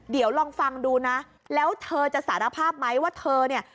เดี๋ยวลองฟังดูนะแล้วเธอจะสารภาพไหมว่าเธอเนี่ย